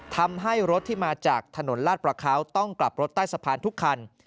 ทำให้รถที่มาจากถนนลาดประเขาต้องกลับรถใต้สะพานทุกคัน